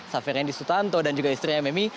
safirin disutanto dan juga istrinya memi